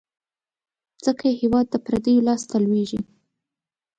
ځکه یې هیواد د پردیو لاس ته لوېږي.